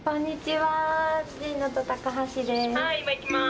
・はい今行きます。